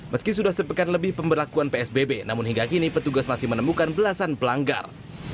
meski sudah sepekan lebih pemberlakuan psbb namun hingga kini petugas masih menemukan belasan pelanggar